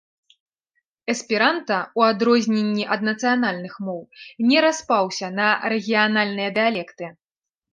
Эсперанта, у адрозненне ад нацыянальных моў, не распаўся на рэгіянальныя дыялекты.